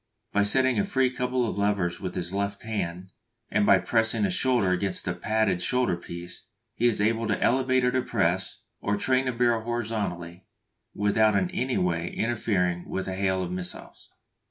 By setting free a couple of levers with his left hand, and pressing his shoulder against the padded shoulder piece, he is able to elevate or depress, or train the barrel horizontally, without in any way interfering with the hail of missiles.